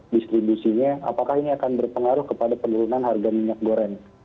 distribusinya apakah ini akan berpengaruh kepada penurunan harga minyak goreng